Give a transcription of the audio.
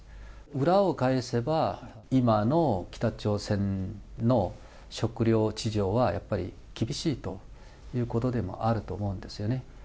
裏を返せば、今の北朝鮮の食料事情はやっぱり厳しいということでもあると思うんですよね。